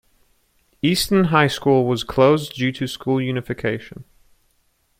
Easton High School was closed due to school unification.